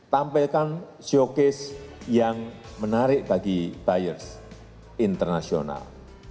tampilkan showcase yang menarik bagi buyers internasional